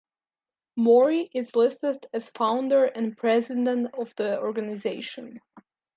Mori is listed as founder and president of the organization.